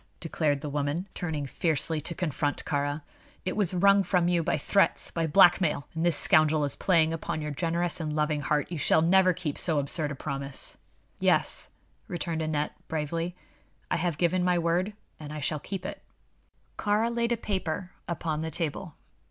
declared the woman, turning fiercely to confront Kāra. "It was wrung from you by threats by blackmail and this scoundrel is playing upon your generous and loving heart. You shall never keep so absurd a promise." "Yes," returned Aneth, bravely; "I have given my word, and I shall keep it." Kāra laid a paper upon the table.